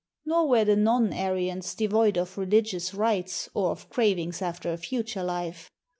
Nor were the non Aryans devoid of religious rites or of crav ings after a future life.